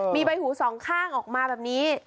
มีใบหูสองข้างออกมาแบบนี้